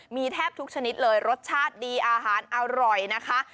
มีแทบทุกชนิดเลยรสชาติดีอาหารอร่อยนะคะ